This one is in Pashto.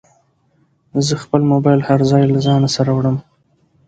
زه خپل موبایل هر ځای له ځانه سره وړم.